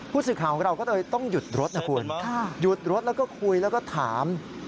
ผู้สื่อข่าวของเราก็เลยต้องหยุดรถนะคุณหยุดรถแล้วก็คุยแล้วก็ถาม